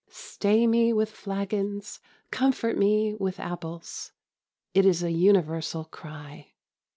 "Stay me with flagons; comfort me with apples." It is a universal cry.